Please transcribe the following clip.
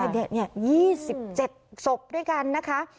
๒๗สวัสดีด้วยกันนะคะ